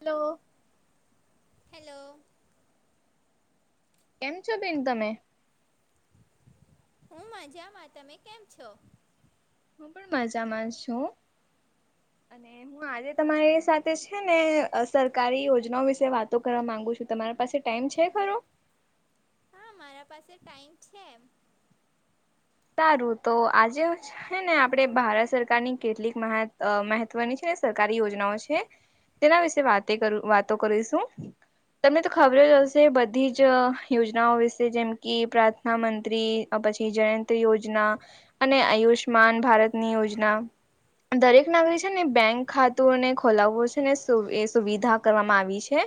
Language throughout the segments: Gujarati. હલો. હેલો. કેમ છો બેન, તમે? હું મજામાં, તમે કેમ છો? હું પણ મજામાં છું અને હું આજે તમારી સાથે છે ને સરકારી યોજનાઓ વિશે વાતો કરવા માંગુ છું, તમારા પાસે ટાઈમ છે ખરો? હા મારા પાસે ટાઈમ છે. તારું તો આજે હે ને આપણે ભારત સરકારની કેટલીક મહ મહત્વની છે ને સરકારી યોજનાઓ છે. તેના વિશે વા વાતો કરીશું. તમને તો ખબર જ હશે બધી જ યોજનાઓ વિશે જેમ કે પ્રાથ ના મંત્રી પછી જય યોજના, અને આયુષ્માન ભારતની યોજના. દરેક નાગરિક છે ને બેંક ખાતુંને ખોલાવવો છે ને સુવિધા કરવામાં આવી છે.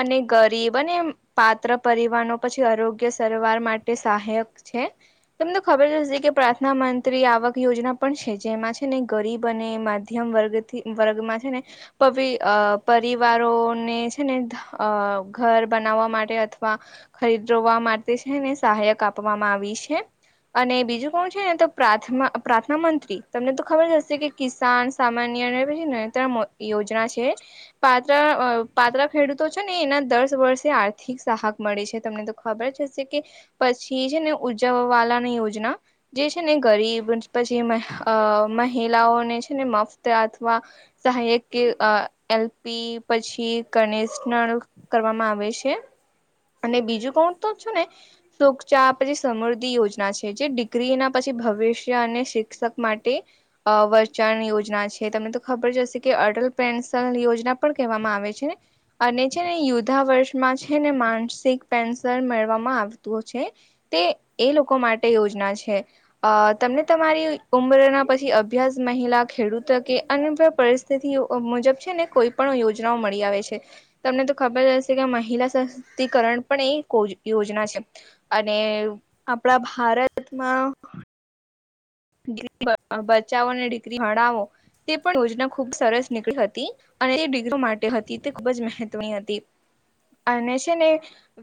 અને ગરીબ અને પાત્ર પરિવાનો પછી આરોગ્ય સારવાર માટે સહાયક છે. તમને ખબર જ હ કે પ્રાર્ના મંત્રી આવક યોજના પણ છે જેમાં છે ને ગરીબ અને માધ્યમ વર્ગ વર્ગમાં છે ને. પ પરિવારોને છે ને અ ઘર બનાવવા માટે અથવા ખરીદવા માટે છે ને સહાયક આપવામાં આવી છે. અને બીજું કોણ છે ને તો પ્રાર્થ પ્રાર્થના મંત્રી તમને તો ખબર જ હશે કે કિસાન સામાન્ય અને નંત્ર યોજના છે. પાત્રા પાત્રા ખેડૂતો છે ને એના દસ વર્ષે આર્થિક સહક મળે છે તમને તો ખબર જ હશે કે, પછી જ ને ઉજવવા વાલા યોજના, જે છે ને ગરીબ પછી મહિલાઓને મફત અથવા, સહાયક કે એલપી પછી કનેશનર કરવામાં આવે છે. અને બીજું કોણ તો છું ને, સુકચા પછી સમૃદ્ધિ યોજના જે ડિગ્રી ના પછી ભવિષ્ય અને શિક્ષક માટે, વચાણ યો યોજ છે તમને તો ખબર જ હશે કે અટલ પેન્શન યોજના પણ કહેવામાં આવે છે ને. અને છે ને યુદધા વર્ષમાં છે ને માનસિક પેન્શન મેવામાં આવતું છે. તે એ લોકો માટે યોજના છે. અ તમને તમારી ઉમરના પછી અભ્યાસ મહિલા ખેડૂત કે અને તેથી મુજબ છે ને કોઈ પણણ યોજનાઓ મળી આવે છે. તમને તો ખબર હશે કે મહિલા સશક્તિકરણ પણ એ યોજના છે. અને આપણા ભારતમાં દીકરી બચાવો અને દીકરી ભણાવો તે પણ યોજના ખુબ સરસ નીકળી હતી. અને જે ડિગ્રીઓ માટે હતી તે ખૂબ જ મહહેત્વની હતી. અને છે ને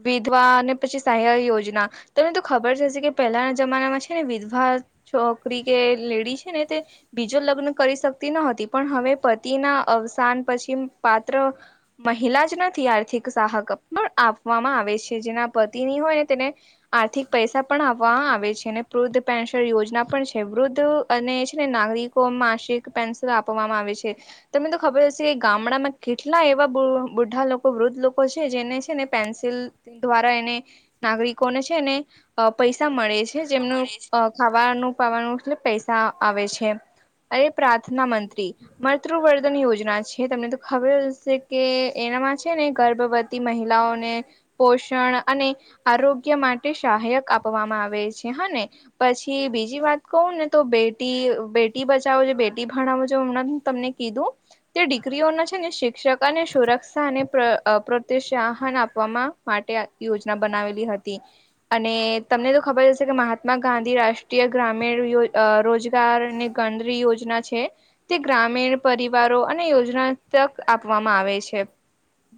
વિધવા અને પછી સહાય યોજના. તને તો ખબર જ હશે કે પહેલાના જમાનામાં છે ને વિધવા છોકરી કે લેડી છે ને તે બીજો લગ્ન કરી શકતી નતી પણ હવે પતિ ના અવસાન પછી પાત્ર. મહિલા જ નથીથી આર્થિક સહક પણ આપવામાં આવે છે. જેના પતિની હોય ને તેને આર્થિક પૈસા પણ આવવામાં આવે છે અને વૃદ્ધ પેન્શન યોજના પણ છે. જે વૃદ્ધ અને છે ને નાગરિકો માસિક પેન્શન આપવામાં આવે છે. તને તો ખબર હશે એ ગામડામાં કેટલા એવા બુઢા લોકો વૃદ્ધ લોકો છે જેને છે ને પેન્સિલ દ્વારા એને નાગરિકોને છે ને પૈસા મળે છે. જેમનું મળે ખાવાનું પવાનું એટલે પૈસા આવે છે. એ પ્રાર્થના મંત્રી. માતૃવર્ધન યોજના છે તમને તો ખબર જ હશે કે એનામાં છે ને ગર્ભવતી મહિલાઓને પોષણ અને આરોગ્ય માટે સહાયક આપવામાં આવે છે. હને પછી બીજી બીજી વાત કહું ને તો બેટી બેટી બચાવો, બેટી ભણાવો છો હમણાં તમને કીધું તે ડિગ્રીઓના છે ને શિક્ષકા અને સુરક્ષા અને પ્રતિત્સાહન આપવામાં માટે યોજના બનાવેલી હતી અને તમને તો ખબર હશે કે મહાત્મા ગાંધી રાષ્ટ્ર રાષ્ટ્રીય ગ્રામીણ યોજ રોજગાર ને ગણરી યોજના છે તે ગ્રામીણ પરિવારો અને યોજના તક આપવામાં આવે છે.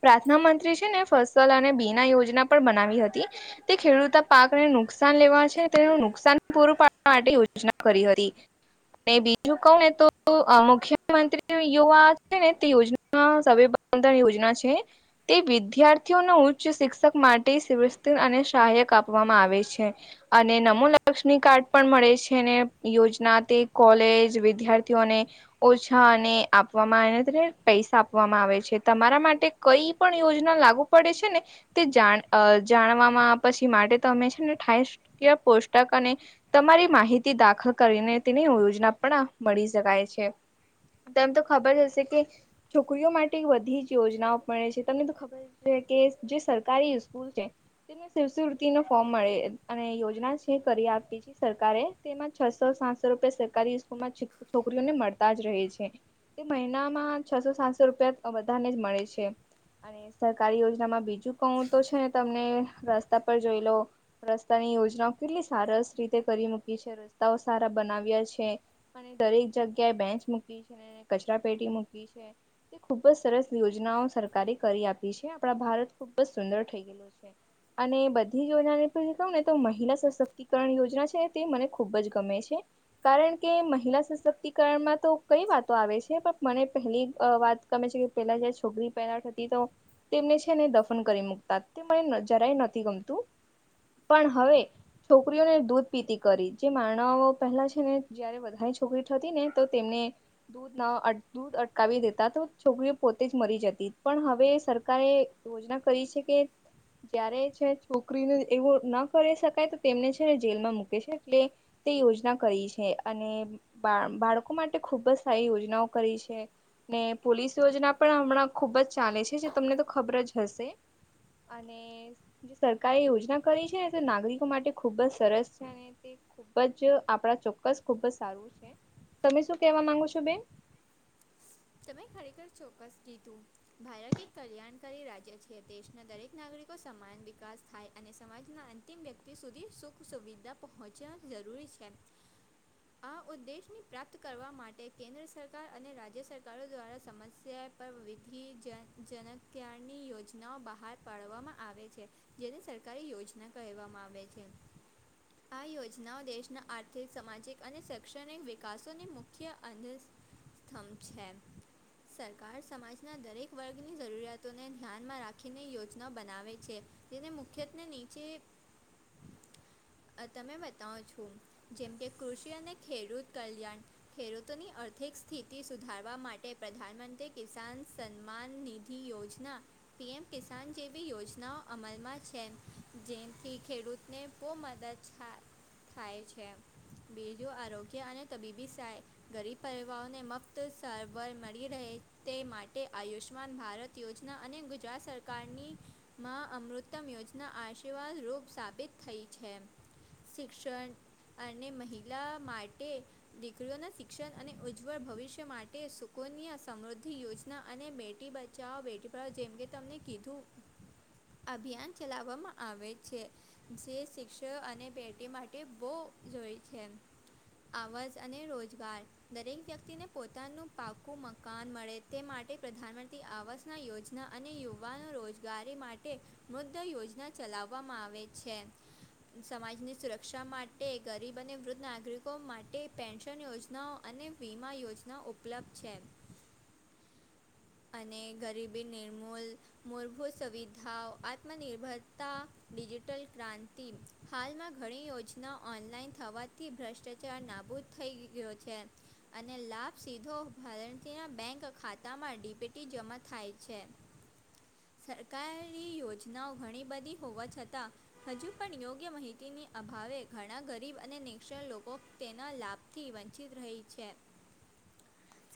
પ્રાર્ના મંત્રી છે ને ફસલ અને બીના યોજના પણ બનાવી હતી. તે ખેડૂત પાકને નુકસાન લેવા છે તે નુકસાન પૂરું પાડવા માટે યોજના કરી હતી. ને બીજું કહું ને તો મુખ્યમંત્રી યુવા છે ને તે યોજ ના સવી બંધન યોજના છે. તે વિદ્યાર્થીઓને ઉચ્ચ શિક્ષક માટે [unintelligible] અને સહાયક આપવામાં આવે છે. અને નમૂલા લક્ષ્મી કાર્ડ પણ મળે છે અને યોજના તે કોલેજ વિદ્યાર્થીઓને ઓછા અને આપવામાં આવે [unintelligible] તને પૈસા આપવામાં આવે છે તમારા માટે કઈ પણ યોજના લાગુ પડે છે ને તે જાણ અહ જાણવામાં પછી માટે તમે છે ને થાય શી પોષ્ટક અને તમારી માહિતી દાખલ કરીને, તેની યોજના પણ મળી શકાય છે. તને તો ખબર જ હશે કે છોકરીઓ માટે બધી જ યોજનાઓ પડે છે, તમને તો ખબર કે જે સરકારી સ્કૂલ છે. તેને શિવવૃતિનું ફોર્મ મળે અને યોજના છે. જે કરી આપી છે સરકારે, તેમાં છસો સાતસો રૂપિયા સરકારી સ્કૂલમાં છોકરીઓને મળતા જ રહે છે. તે મહિનામાં છસો સાતસો રૂપિયા બધાને જ મળે છે. અને સરકારી યોજનામાં બીજું કણું તો છે તમને રસ્તા પર જોઈ લો. રસ્તાની યોજનાઓ કેટલી સરારસ રીતે કરી મૂકી છે રસ્તાઓ સારા બનાવ્યા છે. અને દરેક જગ્યાએ બેંચ મૂકી છે, કચરા પેટી મૂકી છે. તે ખુબ જ સરસ યોજનાઓ સરકારે કરી આપી છે. આપણા ભારત ખુબ જ સુંદર થઈ ગયેલો છે. અને બધી યોજના નેછી ક ને તો મહિલા સશક્તિકરણ યોજના છે તે મને ખુબ જ ગમે છે. કારણ કે મહિલા સશક્તિકરણમાં તો કઈ વાતો આવે છે. પણ મને પહેલી વાત ગમે છે કે પેલા જ છોકરી પહેલા હતી તો તેમને છે ને દફન કરી મુૂકતા તે મને જરાય નથી ગમતું. પણ હવે છોકરીઓને દૂધ પીતી કરી જે મારણઓ પહેલા છે ને જયારે વધારે છોકરી ને તો તેમને દૂધ ના દૂધ અટકાવી દેતા તો છોકરીઓ પોતે જ મરી જતી પણ હવે સરકારે યોજના કરી છે કે જય્યારે છે છોકરીને એવું ના કરી શકાય તેમને છેને જેલમાં મૂકે છે એટલે તે યોજના કરી છે અને બા બાળકો માટે ખુબ જ સારી યોજનાઓ કરી છે. ને પોલીસ યોજના પણ હમણાં ખુબ જ ચાલે છે જે તમને તો ખબર જ હશે અને જે સરકારે યોજના કરી છે ને તો નાગરિકો માટે ખુબ જ સરસ છે અને તે ખુબ જ આપડા ચોક્કસ ખુબ જ સારું છે તમે શું કેવા માંગો છો બેન તમે ખરેખર ચોક્કસ કીધું. ભારત એક કલ્યાણકારી રાજ્ય છે દેશના દરેક નાગરિકો સમાન વિકાસ થાય અને સમાજના અંત તેમ વ્યક્તિ સુધી સુખ સુવિધા પહોંચવા જરૂરી છે. આ ઉદ્દેશની પ્રાપ્ત કરવા માટે કેન્દ્ર સરકાર અને રાજ્ય સરકાર [unintelligible] સરકારો દ્વારા સમસ્યા પર વિધિ જન જનક્યાણની યોજનાઓ બહાર પાડવામાં આવે છે જેને સરકારી યોજના કહેવામાં આવે છે. આ યોજનાઓ દેશના આર્થિક સામાજિક અને શૈક્ષણિક વિકાસોની મુખ્ય અંધ થમ છે. સરકાર સમાજના દરેક વર્ગની જરૂરિયાતોને ધ્યાનમાં રાખીને યોજના બનાવે છે જેને મુખ્યત્ને નીચે તમે બતાવો છો જેમ કે કૃષિ અને ખેડૂત કલ્યાણ ખેડૂતોની આર્થિક સ્થિતિ સુધારવા માટે માટે પ્રધાનમંત્રી કિસાન સન્માન નિધિ યોજના પીએમ કિસાન જેવી યોજનાઓ અમલમાં છે જેમથી ખેડૂતને બહ મદદ છા થાય છે બીજું આરોગ્ય અને તબીબી સહાય ગરીબ પરિવારોને મક્ત સાર વ મળી રહે તે માટે આયુષ્માન ભારત યોજના અને ગુજરાત સરકારની મા અમૃતમ યોજના આશીર્વાદરૂપ સાબિત થઈ છે શિક્ષણ અને મહિલા માટે દીકરીઓના શિક્ષણ અને ઉજ્જવળ ભવિષ્ય માટે સુકનિયા સમૃદ્ધિ યોજના અને બેટી બચાવઓ બેટી પડાવો જેમ કે તમને કીધું અભિયાન ચલાવવામાં આવે છે જે શિક્ષણ અને બેટી માટે બહ જોય છે અવાજ અને રોજગાર દરેક વ્યક્તિને પોતાનું પાકું મકાન મળે તે માટે પ્રધાનમંત્રી આવાસના યોજના અને યુવાનો રોજ જયારે માટે વુદ્ધ યોજના ચલાવવામાં આવે છે સમાજની સુરક્ષા માટે ગરીબ અને વૃદ્ધ નાગરિકો માટે પેન્શન યોજનાઓ અને વીમા યોજના ઉપલબ્ધ છે અને ગરીબી નિ મોલ મૂળભૂત સુવિધાઓ આત્મનિર્ભરતા ડિજિટલ ક્રાંતિ હાલમાં ઘણી યોજના ઓનલાઈન થવાથી ભ્રષ્ટાચાર નાબૂદ થઈ ગયો છે અને લાભ સીધો ભારતીના બેંક ખાતામાં ડી પેટી જમા થાય છે સરકારી યોજનાઓ ઘણી બધી હોવા છતાં હજુ પણ યોગ્ય માહિતીની અભાવે ઘણા ગરીબ અને નિ્સણ લોકો તેના લાભ થી વંચિત રહે છે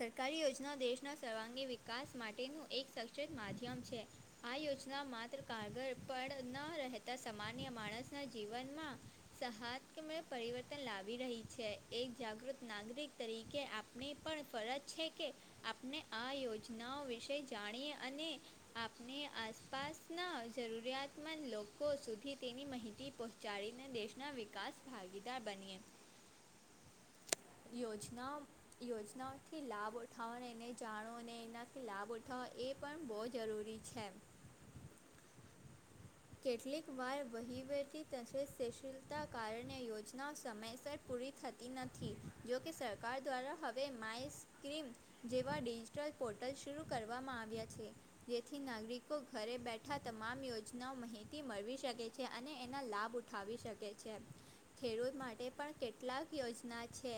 સરકારી યોજનાઓ દેશના સર્વાંગી વિક વિકાસ માટેનું એક સચત માધ્યમ છે આ યોજના માત્ર કાગળ પણ ન રહે સામાન્ય માણસ ના જીવનમાં સહત પરિવર્તન લાવી રહી છે એક જાગૃત નાગરિક તરીકે આપ ની પણ ફરજ છે કે આપણે આ યોજનાઓ વિશે જાણીએ અને આપણે આસપાસના જરૂરિયાતમંદ લોકો સુધી તેની માહિતી પહ જાળી ને દેશના વિકાસ ભાગીદાર બનીએ યોજના યોજનાઓથી લાભ ઉઠાવો એને જાણો અને એના કે લાભ ઉઠાવો એ પણ બહુ જરૂરી છે કેટલીક વાર વહીવટી ત સશલતા કારણે યોજનાઓ સમયસર પૂરી થતી નથી જોકે સરકાર દ્વારા હવે માય સ્કીમ જેવા ડિજિટલ પોર્ટલ શરૂ કરવામાં આવ્યા છે જેથી નાગરિકો ઘરે બેઠા તમામ યોજના ન માહિતી મળવી શકે છે અને એના લાભ ઉઠાવી શકે છે ખેડૂત માટે પણ કેટલાક યોજના છે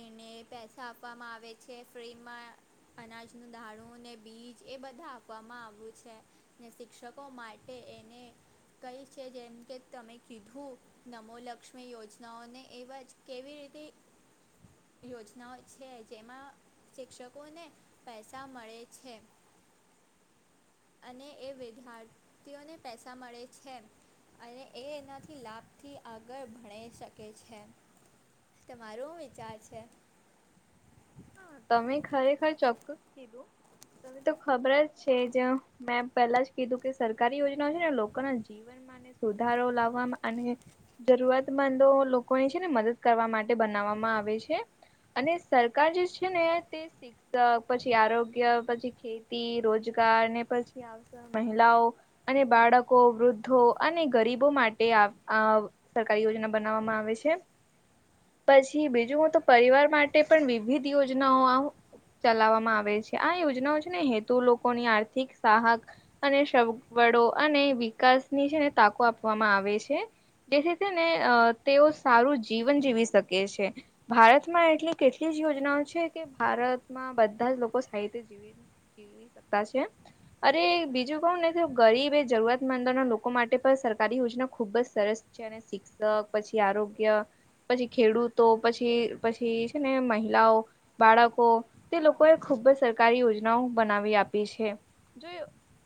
એને પૈસા આપવામાં આવે છે ફ્રીમાં અનાજનુ દાનુ ને બીજ એ બધા આપવામાં આવ્યું છે ને શિક્ષકો માટે કે એને કંઈ છે જેમ કે તમે કીધું નમોલક્ષ્મી યોજનાઓને એવા જ કેવી રીતે યોજનાઓ છે જેમાં શિક્ષકોને પૈસા મળે છે. અને એ વિદ્યાર્થીઓને પૈસા મળે છે અને એ એનાથી લાભથી આગળ ભણ શકે છે તમારો હુ વિચાર છે તમે ખરેખર ચોક્કસ કીધું તમે તો ખબર જ છે જ મેં પેલા જ કીધું કે સરકારી યોજનાઓ છે ને, લોકોના જીવન સુધારો લાવવામાં અને જરૂરતમંદો લોકોની છે ને, મદદ કરવા માટે બનાવવામાં આવે છે અને સર કાર જે છે ને તે શિક્ષક, પછી આરોગ્ય, પછી ખેતી, રોજગાર ને પછી મહિલાઓ અને બાળકો, વૃદ્ધો અને ગરીબો માટે આ સરકારી યોજના બનાવવામાં આવે છે. પછી બીજું, હું તો પરિવાર માટે પણ વિવિધ યોજનાઓ ચલાવવામાં આવે છે. આ યોજનાઓ છે ને, હેતુ લોકોની આર્થિક સહક અને સગવડો અને વિકાસ ની છે ને તાકો આપવામાં આવે છે. જેથી તને અ, તેઓ સારું જીવન જીવી શકે છે ભારતમાં એટલી કેટલી જ યોજનાઓ છે કે ભારતમાં બધા જ લોકો સાહિત જીવી જેવી સત્તા છે. અરે, બીજું કું નથી. ગરીબ એ જરૂરત મંદોના લોકો માટે પણ સરકારી યોજના ખુબ જ સરસ છે ને, શિક્ષક, પછી આરોગ્ય, પછી ખેડૂતો પછી, પછી છે ને, મહિલાઓ બાળકો તે લોકોએ ખુબ જ સરકારી યોજનાઓ બનાવી આપી છે. જો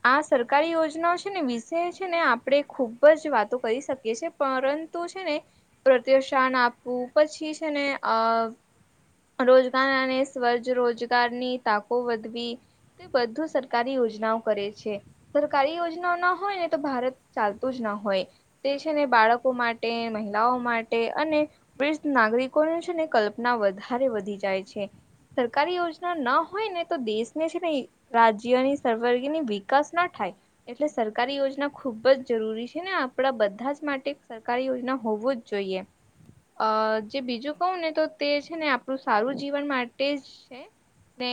આ સરકારી યોજનાઓ છે ને વિષય છે ને, આપણે ખુબ જ વાતો કરી શકીએ છે. પરંતુ છે ને, પ્રત્યુઠાન આપવું, પછી છે ને અ રોજગાર અને સ્વરોજગાર તકો વધવી. તે બધું સરકારી યોજનાઓ કરે છે. સરકારી યોજનાઓ ના હોય ને, તો ભારત ચાલતું જ ના હોય. તે, છે ને, બાળકો માટે, મહિલાઓ માટે અને બ્રીજ નાગરિકોની છે ને, કલ્પના વધારે વધી જાય છે. સરકારી યોજના ના હોય ને, તો દેશને, છે ને રાજ્યોની સરવર્ગીની વિકાસ ના થાય. એટલે, સરકારી યોજના ખુબ જ જરૂરી છે ને. આપડા બધા જ માટે સરકારી યોજના હોવું જ જોઈએ. અ બીજું કહો ને, તો તે છે ને આ આપણું સારું જીવન માટે જ છે ને.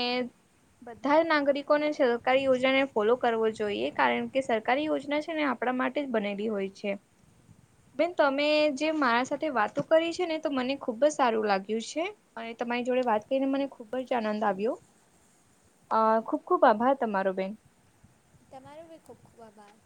બધા જ નાગરિકોને સરકારી યોજનાને ફોલો કરવો જોઈએ, કારણ કે સરકારી યોજના છે ને આપડા માટે જ બનેલી હોય છે. બેન, તમે જે મારા સાથે વાતો કરી છે ને, તો મને ખુબ જ સારું લાગ્યું છે. અને તમારી જોડે વાત કરીને મને ખુબ જ આનંદ આવ્યો. અ ખુબ ખુબ આભાર તમારો બેન. તમારો બી ખૂબ ખૂબ આભાર.